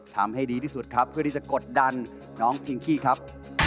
ทำให้ดีที่สุดครับเพื่อที่จะกดดันน้องพิงกี้ครับ